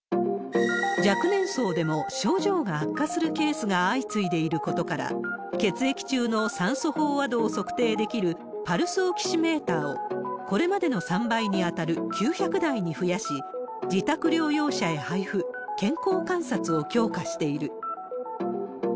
若年層でも症状が悪化するケースが相次いでいることから、血液中の酸素飽和度を測定できるパルスオキシメーターを、これまでの３倍に当たる９００台に増やし、自宅療養者へ配布、健康観察を強化している。